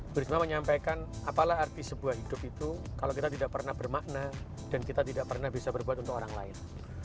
bu risma menyampaikan apalah arti sebuah hidup itu kalau kita tidak pernah bermakna dan kita tidak pernah bisa berbuat untuk orang lain